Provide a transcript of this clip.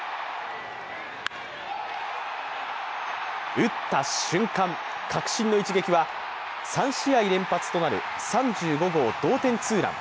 打った瞬間、確信の一撃は３試合連発となる３５号同点ツーラン。